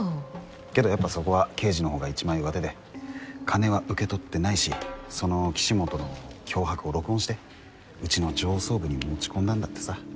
けどやっぱそこは刑事のほうが一枚上手で金は受け取ってないしその岸本の脅迫を録音してうちの上層部に持ち込んだんだってさ。